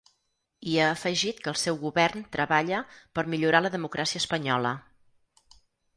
I ha afegit que el seu govern treballa per millorar la democràcia espanyola.